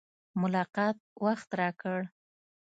ملاقات وخت راکړ.